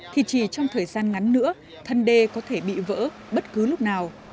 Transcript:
thì chỉ trong thời gian ngắn nữa thân đê có thể bị vỡ bất cứ lúc nào